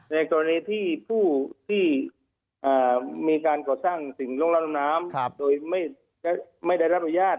ในกรณีที่ผู้ที่มีการก่อสร้างสิ่งลงรับน้ำโดยไม่ได้รับอนุญาต